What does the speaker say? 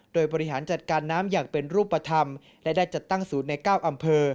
โดยบริหารจัดการน้ำอย่างเป็นรูปธรรมและได้จัดตั้งศูนย์ใน๙อำเภอ